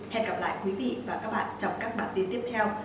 hẹn gặp lại quý vị và các bạn trong các bản tin tiếp theo